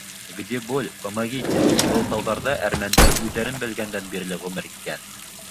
Где боль — помогите, Был тауҙарҙа әрмәндәр үҙҙәрен белгәндән бирле ғүмер иткән.